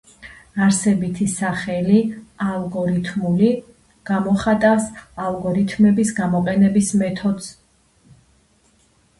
არსებითი სახელი „ალგორითმული“ გამოხატავს ალგორითმების გამოყენების მეთოდს.